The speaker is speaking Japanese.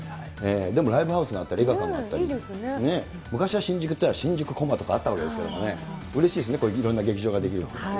でもライブハウスがあったり映画館があったり、昔は新宿っていえば、新宿コマとかあったわけですからね、うれしいですね、いろんな劇場が出来るっていうのはね。